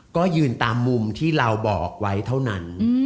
ก็ยืนตามมุมที่เราบอกไว้เท่านั้น